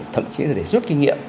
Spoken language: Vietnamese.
thậm chí là để rút kinh nghiệm